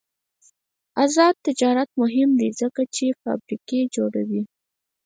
آزاد تجارت مهم دی ځکه چې فابریکې جوړوي.